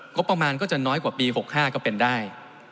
งบประมาณก็จะน้อยกว่าปี๖๕ก็เป็นได้